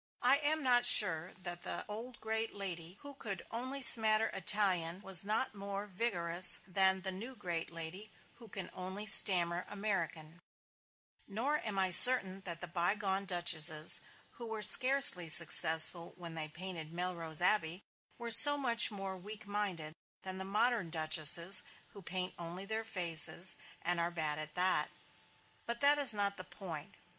I am not sure that the old great lady who could only smatter Italian was not more vigorous than the new great lady who can only stammer American; nor am I certain that the bygone duchesses who were scarcely successful when they painted Melrose Abbey, were so much more weak minded than the modern duchesses who paint only their own faces, and are bad at that. But that is not the point.